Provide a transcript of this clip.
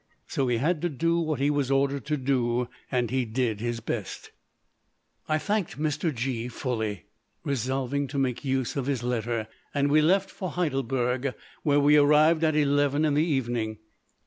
So he had to do what he was ordered to do, and he did his best." I thanked Mr. G——, fully resolving to make use of his letter, and we left for Heidelberg, where we arrived at eleven in the evening.